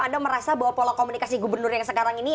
anda merasa bahwa pola komunikasi gubernur yang sekarang ini